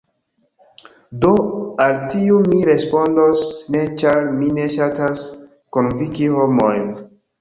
Do, al tiu mi respondos ‘ne’ ĉar mi ne ŝatas konvinki homojn